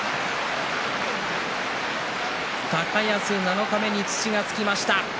高安、七日目に土がつきました。